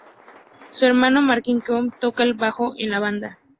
Su hermano Martin Kemp toca el bajo en la banda.